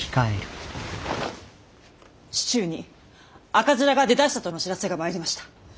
市中に赤面が出だしたとの知らせが参りました。